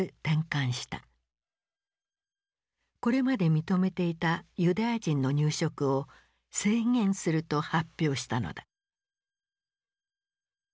これまで認めていたユダヤ人の入植を制限すると発表したのだ。